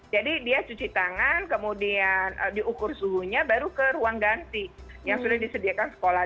dia cuci tangan kemudian diukur suhunya baru ke ruang ganti yang sudah disediakan sekolah